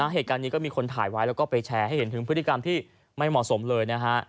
เหตุการณ์นี้ก็มีคนถ่ายไว้แล้วก็ไปแชร์ให้เห็นถึงพฤติกรรมที่ไม่เหมาะสมเลยนะฮะ